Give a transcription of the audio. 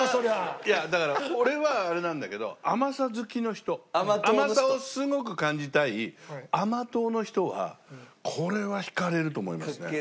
いやだから俺はあれなんだけど甘さ好きの人甘さをすごく感じたい甘党の人はこれは引かれると思いますね。